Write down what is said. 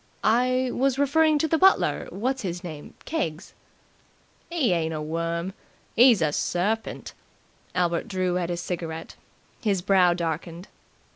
"I was referring to the butler what's his name Keggs." "'E ain't a worm. 'E's a serpint." Albert drew at his cigarette. His brow darkened.